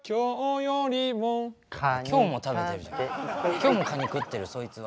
今日もカニ食ってるそいつは。